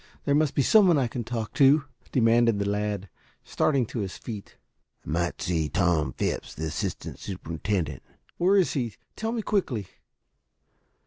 There must be some one that I can talk to," demanded the lad, starting to his feet. "Might see Tom Phipps, the assistant superintendent." "Where is he? Tell me quickly."